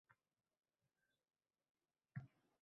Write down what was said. Uning fikricha